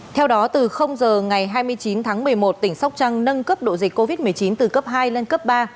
theo đó từ giờ ngày hai mươi chín tháng một mươi một tỉnh sóc trăng nâng cấp độ dịch covid một mươi chín từ cấp hai lên cấp ba